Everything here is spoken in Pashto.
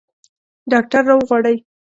ډاکټر راوغواړئ